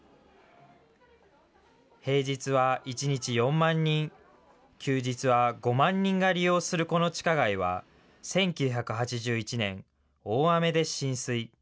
平日は１日４万人、休日は５万人が利用するこの地下街は、１９８１年、大雨で浸水。